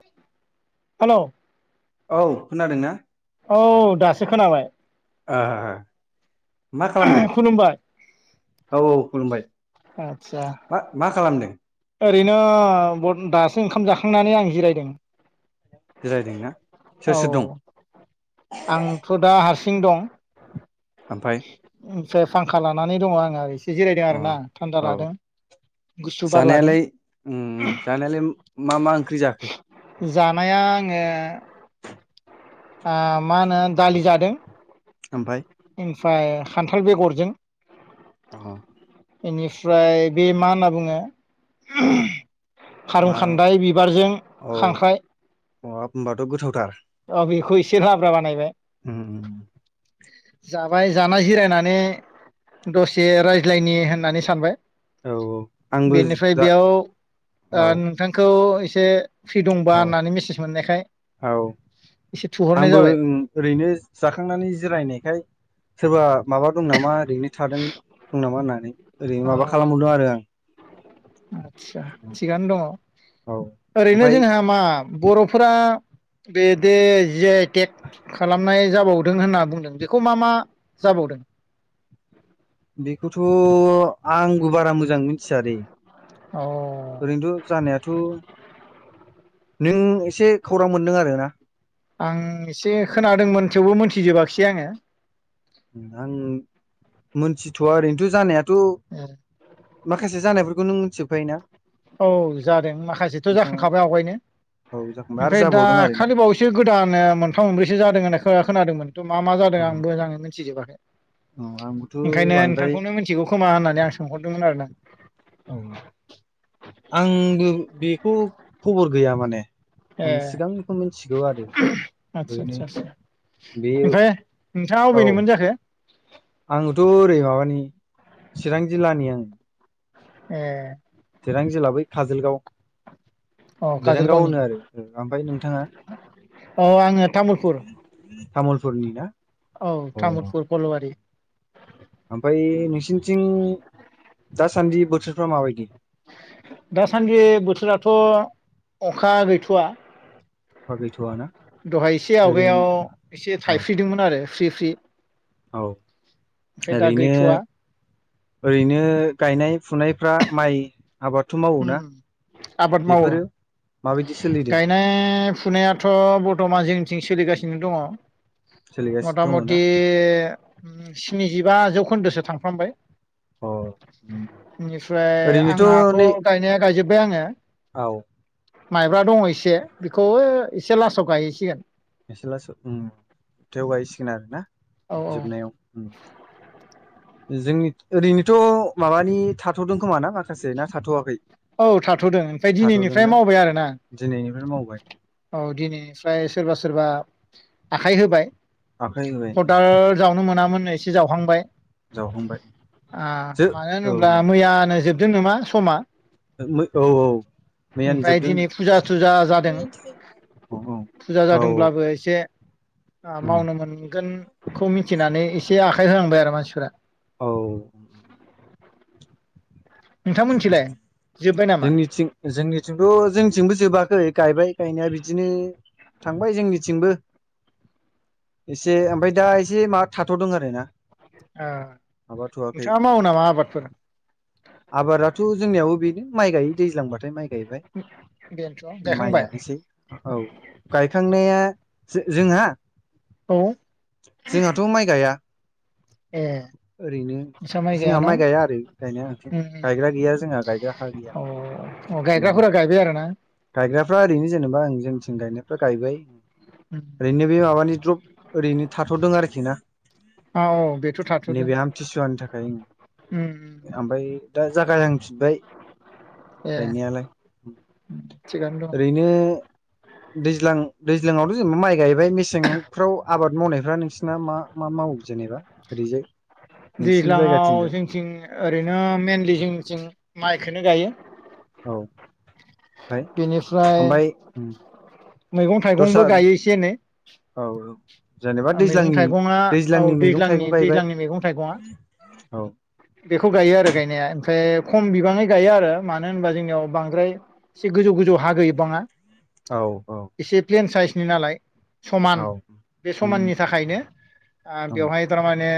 बि [inaudible] hello औ खोनादों ना? औ दासो खोनाबाय आ आ आ ओह खुलुमबाय औ औ खुलुमबाय आदसा मा मा खालामदों? ओरैनो बनदास सो ओंखाम जाखांनानै आं जिरायदों जिरायदोंना सोर औ औ सोर दं आंथ' दा हारसिं दं ओमफ्राय ओमफ्राय फांखा लानानै दंङ आंङो एसे जिरायदों अ आरो ना थान्दा औ लादों गुसु बार लादों जानायालाय उम जानायालाय मा मा ओंख्रि जाखो? जानाया आंङो आ मा होनो दालि जादों ओमफ्राय? ओमफ्राय खान्थाल बेगरजों औ बेनिफ्राय बे मा होनना बुंङो उमह खारुं मा खान्दाय बिबारजों खांख्राइ होनबाथ' गोथावथार से लाब्रा बानायबाय उम जाबाय जाना जिरायनानै दसे रायज्लायनि होननानै सानबाय औ आंबो बेनिफ्राय जा बेयाव औ ओ नोंथांखौ एसे फ्रि दंबा औ होननानै मेसेज मोननायखाय औ एसे थुहरनाय आंबो जाबाय उम ओरैनो जाखांनानै जिरायनायखाय सोरबा माबा दं नामा ओरैनो थादों दं नामा होननानै ओरैनो अ माबा खालामहरदों आरो आं आदसा थिगानो दंङ औ ओरैनो ओमफाय जोंहा मा बर'फोरा बेदि जियायटेक खालामनाय जाबावदों होनना बुंदों बेखौ मा मा जाबावदों? बेखौथ' आंबो बारा मोजांङै मिथियादै अ ओरैनोथ' जानायाथ' नों एसे खौरां मोन्दों आरोना? आं एसे खोनादोंमोन थेवबो मोनथिजोबाखिसै आंङो आं मोनथिथ'वा ओरैनोथ' जानायाथ' माखासे जानायफोरखौ नों मिथिजोबखायो ना? औ जादों माखासेथ' जाखांखाबाय आवगायनो औ जाखांबाय आरो ओमफ्राय जाबावदों आरोना दाखालि बावैसो गोदानो ओ मोनथाम मोनब्रैसो जादों होनना खो- खोनादोंमोन थ' मा मा जादों औ आं मोजांङै मिथिजोबा औ आंबोथ' ओंखायनो बांद्राय नोंथांखौनो मोनथिगौ खोमा होननानै आं सोंहरदोंमोन आरो ना? औ आंबो बेखौ खबर गैया माने ए आं सिगांनिखौ मिथिगौ आरो आदसा ओरैनो आदसा आदसा बे ओमफ्राय नोंथांङा अबेनिमोन जाखो? आंङोथ' ओरै माबानि चिरां जिल्लानि आंङो ए चिरां जिल्ला बै काजोलगाव औ बेरेंगाव काजलगावनि होनो आरो ओमफ्राय नोंथाङा औ आङो तामुलपुर तामुलफुरनिना औ तामुलपुर फ'लवारि थिं दासान्दि बोथोरफ्रा माबायदि दासान्दि बोथोराथ' अखा गैथ'आ अखा गैथ'आ ना दहाय एसे ओरैनो आवगायाव एसे औ थाइफ्रिदोंमोन आरो फ्रि फ्रि औ ओमफ्राय दा ओरैनो गैथ'वा ओरैनो गायनाय फुनायफ्रा माइ आबादथ' उम मावोना आबाद मावो बेफोरो माबायदि सोलिदों गायनाय फुनायाथ' बर्तमान जोंनिथिं सोलिगासिनो दङ सोलिगासिनो मथा दङ ना मथि स्निजिबा जौखोन्दोसो थांफ्रामबाय अ उम बेनिफ्राय ओरैनोथ' आंहाथ' नै गायनाया गायजोब्बाय आङो औ माइब्रा दङ एसे बेखौबो ओइ एसे लासाव गायहैसिगोन इसे‌ लासाव उम जोबथायाव गायहैसिगोन आरोना औ जोबनायाव उम जोंनि ओरैनोथ' माबानि थाथ'दों खोमा ना माखासे ना थाथ'वाखै औ थाथ'दों ओमफ्राय दिनैनिफ्राय थाथ'दोंना मावबाय आरोना दिनैनिफ्राय मावबाय औ दिनैनिफ्राय सोरबा-सोरबा आखाइ होबाय आखाइ होबाय खदाल जावनो मोनामोन एसे जावहांबाय जावखांबाय ओ जो मानो होनोब्ला औ मैयानो जोबदों नामा समा औ औ औ मैयानो ओमफफ्राय जोबदों दिनै फुजा-सुजा जादों औ फुजा औ जादोंब्लाबो एसे मावनो मोनगोनखौ मिथिनानै एसे आखाइ होलांबाय आरो मानसिफोरा औ नोंथांमोनथिलाय जोब्बाय नामा जोंनिथिं जोंनिथिंथ' जोंनिथिंबो जोबाखै गायबाय गायनाया बिदिनो थांबाय जोंनिथिंबो एसे ओमफ्राय दा एसे माबा थाथ'दों आरो ना ओ माबाथ'वाखै नोंथाङा मावो नामा आबादफोर थ' जोंनियाव बेनो माइ गायायो दैज्लां बाथाय माइ गायबाय बेनोथ' गायखांबाय माइआनोसै औ गायखांनाया जोंहा औ जोंहाथ' माइ गाया ए ओरैनो जोंहा माइ गाया आरो गायनाया ओंखाय अ अ गैया गायग्रा गायग्राफ्रा ओरैनो जेनेबा जोंथिं गायनायफ्रा गायबाय उम ओरैनो बे माबानि द्रप ओरैनो थाथ'दों आरोखि ना औ औ बेथ' थाथ'दों नैबे आमथिसुवानि थाखाय ओम उम उम ओमफ्राय उम। दा‌ जागाय जांफिनबाय ए गायनायालाय थिगानो दं ओरैनो दैज्लां दैज्लांवथ' जेनेबा माइ गायबाय मेसेंफ्राव आबाद मावनायफ्रा नोंसिोरना मा मा मावो जेनेबा ओरैजाय नोंसिनि दैज्लांआव जायगाथिंजाय जोंथिं ओरैनो मेइनलि जोंथिं माइखौनो गायो औ ओमफ्राय बेनिफ्राय ओमफ्राय मैगं दस्रा थाइगंबो औ जेनेबा दैज्लांनि मैगं-थाइगंआ औ दैज्लांनि मैगं दैज्लांनि थाइगं गायबाय दैज्लांनि मैगं-थाइगंआ औ बेखौ गायो आरो गायनाया ओमफ्राय खम बिबाङै गायो आरो मानो होनबा जोंनियाव बांद्राय एसे गोजौ-गोजौ हा गैबाङा औ औ एसे प्लेन साइसनि नालाय। समान औ बे उम समाननि थाखायनो आ- उम बेवहाय थारमाने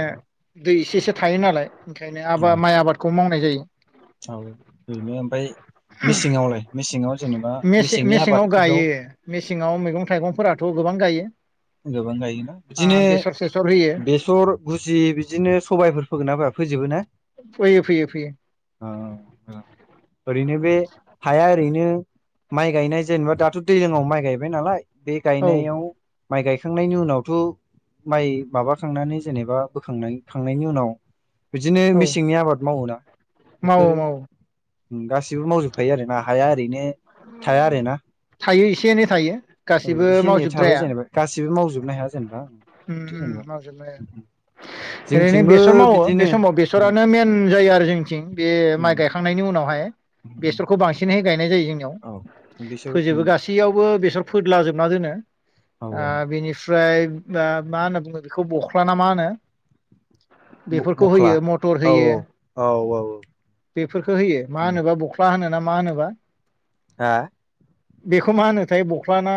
दै इसे इसे थायो नालाय। ओंखायनो औ आबा-माइ आबादखौ मावनाय जायो। औ बेफोरनो ओमफ्राय मेसेङावलाय मेसेङाव जेनेबा मेसें मेसेंनि मेसेङाव गायो आबादफोराव? मेसेङाव मैगं थाइगंफोराथ' गोबां गायो। गोबां गायोना बिदिनो ओ बेसर सेसर होयो बेसर गुसि बिदिनो सबायाइफोर फोगोन ना ब फोजोबो ना? फैयो फैयो फैयो। ओरैनो बे हाया ओरैनो माइ गायनाय जेनेबा दाथ' दैलाङाव माइ गायबाय नालाय? बे औ गायनायाव माइ गायखांनायनि उनावथ' माइ माबाखांनानै जेनेबा बोखांनायखांनायनि उनाव। बिदिनो औ मेसेंनि आबाद मावनाय? मावो मावो। गासिबो मावजोबखायो आरो ना हाया ओरैनो थाया आरो ना थायो एसे एनै थायो औ गासिबो एसे एनै थाबाय मावजोबद्राया जेनेबा। गाससिबो मावजोबनो हाया जेनेबा उम उम मावजोबनाया जेनेबा। ओरैनो जोंथिंबो बेसर मावो बे बिदिनो समाव उम बेसरानो मेन जायो आरो जोंनिथिं बे माइ गायखांनायनि उन नावहाय उम बेसरखौ बांसिनै गायनाय जायो जोंनियाव औ बिसोर फोजोबो उम गासैयावबो बे फोदलाजोबना दोनो औ औ ओ- बिनिफ्राय ओ मा होनना बुङो बेखौ बख्लाना मा होनो? बेफोरखौ बख्ला होयो मटर औ होयो। औ औ बेफोरखौ होयो मा होनोबा बख्ला होनोना मा होनोबा? हा? बेखौ मा होनोथाय बख्ला? ना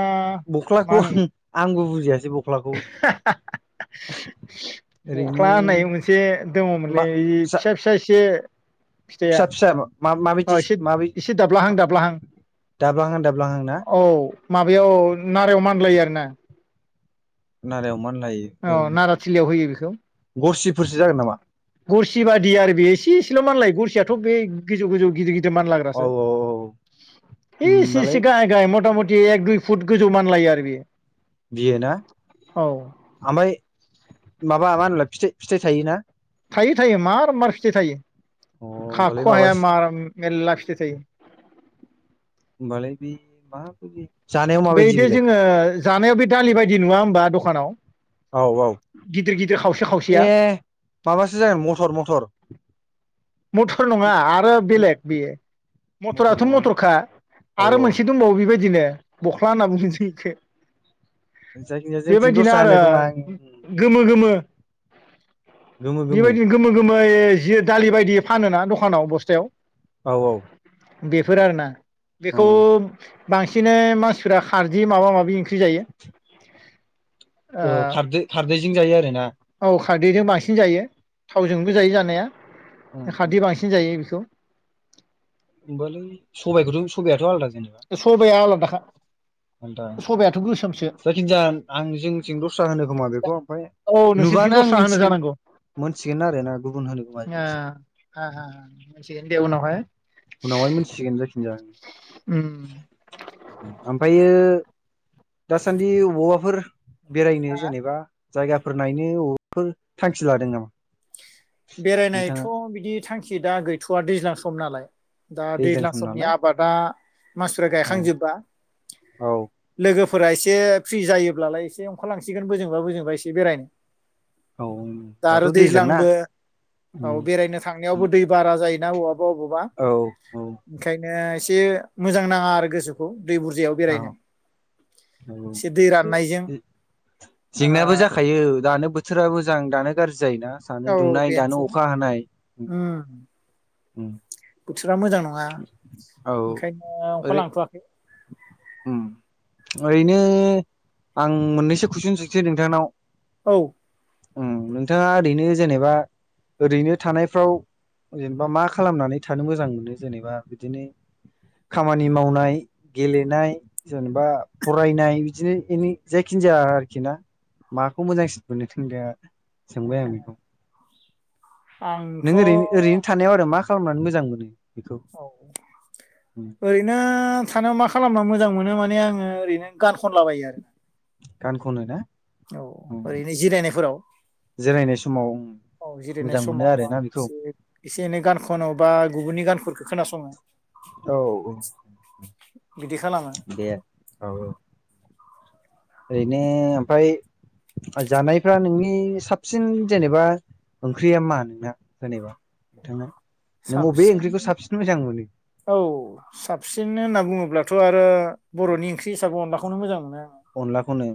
मा बख्लाखौ होनोमोन? आंबो बुजियासै बख्लाखौ ओरैनो बख्ला होननाय मोनसे मा दङमोनलै फिसा फिसा एसे फिथाइया फिसा फिसा मा अ माबायदि एसे माबायदि एसे दाब्लाहां दाब्लाहां दाब्लाहां दाब्लाहां ना? औ माबायाव नारायाव मानलायो आरो ना? नारायाव मान औ नाराथिलियाव होयो बेखौ। गरसिफोरसो जागोन नामा गरसि बादि आरो बे एसे एसेल' माललाय गरसियाथ' बे गोजौ गोजौ गिदिर गिदिर मान औ लाग्रासो औ औ इसे होमबालाय इसे गाय गाय मथा मथ थि एक दुइ फुट गोजौ मानलायो आरो बियो। बियो ना ओमफ्राय माबा मा होनला फिथा- फिथाइ थायोना? थायो थायो मार मार फिथाइ थायो होमबालाय खाख' हाया माबासो मार बेला फिथाइ थायो। मालाय बे माबादि? बैदि जोङो जानायाव बे दालि बायदि नुवा होमबा दखानाव? औ औ गिदिर गिदिर खावसे खावसेया ए माबासो जागोन मटर मटर। मथर नङा आरो बेलेग बेयो। मटर मटराथ' नङाना मटरखा औ आरो औ मोनसे दंबावो बेबायदिनो। बख्ला होनना बुङो जोंथिं। जायखिजाया जोंथिं बेबायदिनो दस्रा होनो आरो खोमा आं गोमो गोमो। बेबायदिनो गोमो गोमो ओइ जि दालि बायदि फानो ना दखानाव बस्थायाव। औ औ बेफोर आरोना बेखौ। औ बांसिन मानसिफोरा खारजि माबा माबि ओंख्रि जायो। औ खारदै खारदैजों जायो आरो ना ओ औ खारदैजों बांसिन जायो थावजोंबो जायो जानाया खारदै बांसिन जायो बेखौ होमबालाय सबाइखौथ' सबायाथ' आलदा सबाया आलादाखा [unintelligible] सबायाथ' गोसोमसो जायखिनजाया आं जोंनिथिं दस्रा होनो खोमा बेखौ आमफाय औ नोंसोरनिथिं नुबानो आं दस्रा होनो मिनथिगोन मोनथिगोन आरो ना गुबुन होनो खोमा [inaudible] जोंनिथिं साहा मोनथिगोनदे उनावहाय उनावहाय मोनथिसिगोन जायखिनजाया उम ओमफायो दासान्दि बबावबाफोर बेरायनो जेनेबा जायगाफोर नायनो बबाफोर थांखि लादों नामा बेरायनायथ' नोंथाङा बिदि थांखि दा गैथ'वा दैज्लां सम नालाय दा दैज्लां सम समनि नालाय आबादा मानसिफ्रा औ गायखांजोबबा औ लोगोफ आ एसे फ्रि जायोब्लालाय एसे ओंखारलांसिगोन बोजोंबा बोजोंबा एसे बेरायनो औ दा दाथ' आरो दैज्लां ना दैज्लांबो औ उम बेरायनो थांनायावबो दै बारा जायोना बबबा बबावबा औ औ ओंखायनोसे ए मोजां नाङा आरो गोसोखौ दै बुरजायाव बेरायनो एसे दै [unintelligible] राननायजों ओ जेंनायाबो जाखायो दानो थोरा मोजां दानो गाज्रि जायोना सानो औ दुंनाय दानो बेनोसै अखा हानाय उम उम बोथोरा मोजां नङा औ ओंखायनो अखा ओरै लांथ'वाखै उम [inaudible] ओरैनो आं मोननैसो कुइसन सोंसै नोंथांनाव औ उम नोंथाङा ओरैनो जेनेबा ओरैनो थानायफ्राव जेनेबा मा खालामनानै थानो मोजां मोनो जेनेबा बिदिनो खामानि मावनाय गेलेनाय जेनेबा फरायनाय बिदिनो एनि जायखिन जाया आरोखि ना माखौ मोजांसिन मोननो [unintelligible] सोंबाय आं बेखौ नों आंथ' औ ओरैन ओरैनो थानायाव आरो मा खालामनानै मोजां मोनो बेखौ औ ओरैनो थानो माख खालामना मोजां मोनो माने आङो ओरैनो गान खनलाबायो आरो गान खनो ना औ ओरैनो जिरायनायफोराव जिरायनाय समाव औ जिरायनाय मोजां मोनो समाव आरोना बेखौ एसे एसे एनै गान खनो बा गुबुननि गानफोरखौ खोनासङो औ औ बिदि खालामो दे औ औ ओरैनो ओमफ्राय जानायफ्रा नोंनि साबसिन जेनेबा ओंख्रिया मा नोंना जेनेबा नोंथांना साबसिन औ साबसिन होनना बुङोब्लाथ' आरो बर'नि ओंख्रि हिसाब अनलाखौनो मोजां मोनो आङो अनलाखौनो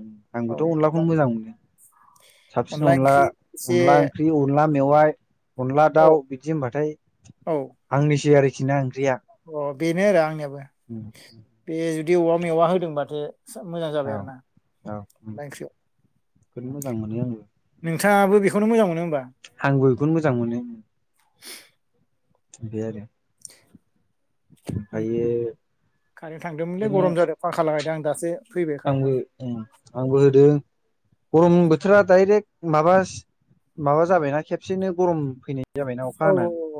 औ आंबोथ' अनला अनलाखौनो मोजां मोनो साबसिन अनला ओंख्रि एसे अनला ओंख्रि अनला मेवाइ अनला औ दाउ बिदि होनबाथाय आंनिसै आरोखि ना ओंख्रिया अह बेनो आरो आंनियाबो उम बे जुदि औवा मेवा होदोंबाथे ज मोजां जाबाय औ आरोना ला ओंख्रिया बोद मोजां मोनो आंङो खौनो मोजांमोन आंबो बेखौनो मोजां मोनो बे आरो ओमफ्रायो खारेन थांदोंमोनलै बिदिनो गरम जादों फांखा लागायदों आं दासो फैबाय आंबो कारेन्टआबो उम आंबो होदों गरम बोथोरा डायरेक्ट माबास माबा जाबायना खेबसेनो गरम फैनाय जाबायना अखा औ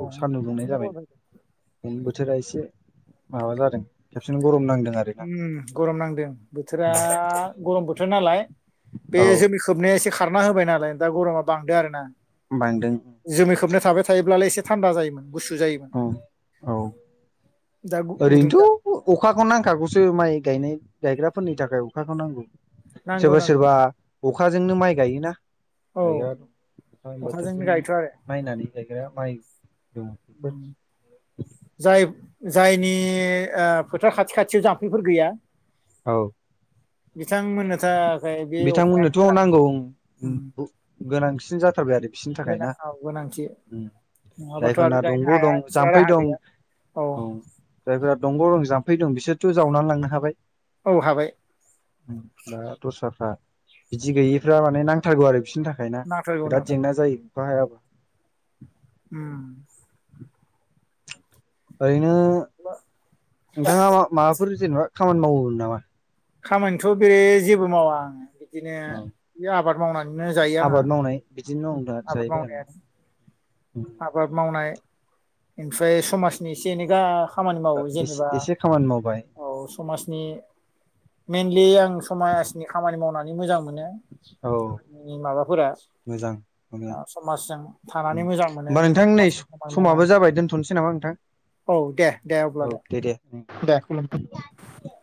औ सान्दुं दुंनाय खेबसेनो जाबायना गरम जादों थोरा एसे माबा जादों खेबसेनो गरम नांदों । उम गरम नांदों बोथोरा गरम बोथोर नालाय बे औ जोमै खोबनाया एसे खारना होबाय नालाय दा गरमा बांदो आरो ना बांदों जुमि खोबनो थाबाय थायोब्लालाय एसे थान्दा जायोमोन । औ औ दा गु- गुदुं जादों ओरैनोथ अखाखौ नांखागौ जों माइ गायनाय गायग्राफोरनि थाखाय अखाखौ नांगौ नांगौ सोरबा नांगौ सोरबा अखाजोंनो माइ गायोना औ [inaudible] अखाजोंनो बोथोरजों गायथ' आरो नायनानै‌ [inaudible] माइ दं बेफोर जाय जायनि फोथार खाथि खाथियाव जाम्फैफोर गैया औ । बिथांमोननो थाखाय बे अखायानो बिथांमोननोथ गोनां नांगौ उम उम गोनां सिन जाथारबाय आरो । बिसिनि थाखाय गोनां ना औ गोनांथि नङाबाथ' आरो जायफोरना गायनो दंग हाया दं बिस्रा जाम्फै राहा दं गैया औ जायफोरा दंग दं जाम फै दं बिसोरथ जावना लांनो हाबाय औ हाबाय दा दस्राफ्रा बिदि गैयिफ्रा माने नांथारगौ आरो फिसिनि थाखाय ना नांथारगौ बिराद जेंना नांथारगौ जायो । [inaudible] उम ओरैनो नोंथाङा मा माबाफोर जेनेबा खामानि मावो नामा? खामानिथ बे जेबो मावा आङो बिदिनो औ बे आबाद मावनाय जायो आंहा आबाद आबाद मावनायानो [inaudible] आबाद मावनाय एमफ्राय समाजनि एसे एनै गा खामानि मावो एसे जेनेबा एसे खामानि मावबाय औ समाजनि मेइनलि आं समाजनि खामानि मावनानै मोजां मोनो औ नि माबाफोरा मोजां मोजां समाजजों थानानै मोजां । होमबा नोंथां नै स समाबो जाबाय दोन्थनसै नामा नोंथां? औ दे दे अब्ला औ दे दे